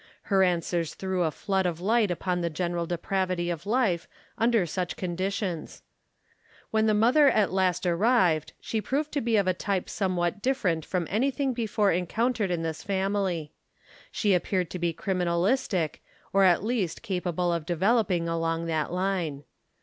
Her answers threw a flood of light upon the general depravity of life under such conditions. When the mother at last arrived, she proved to be of a type somewhat different from any thing before encountered in this family. She appeared to be criminalistic, or at least capable of developing along that line.